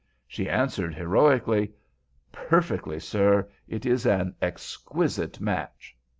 She answered, heroically: "Perfectly, sir. It is an exquisite match."